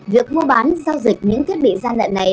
việc mua bán giao dịch những thiết bị gian lận này